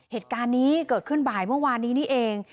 เหตุการณ์นี้เกิดขึ้นบ่ายเมื่อวานนี้นี่เอง